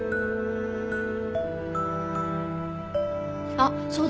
あっそうだ。